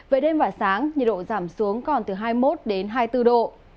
về đêm và sáng nhiệt độ giảm xuống còn từ hai mươi một đến hai mươi bốn độ